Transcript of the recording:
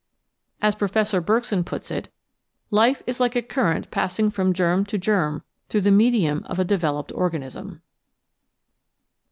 As Professor Berg son puts it, "life is like a current passing from germ to germ through the medium of a developed organism."